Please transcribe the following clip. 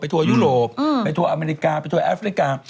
ทัวร์ยุโรปไปทัวร์อเมริกาไปทัวแอฟริกา